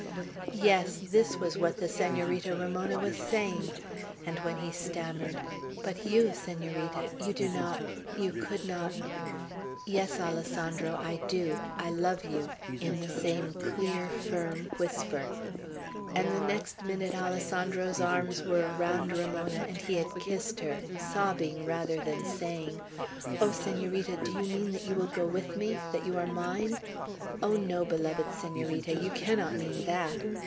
Yes, this was what the Senorita Ramona was saying! And when he stammered, "But you, Senorita, you do not you could not " "Yes, Alessandro, I do I love you!" in the same clear, firm whisper; and the next minute Alessandro's arms were around Ramona, and he had kissed her, sobbing rather than saying, "O Senorita, do you mean that you will go with me? that you are mine? Oh, no, beloved Senorita, you cannot mean that!"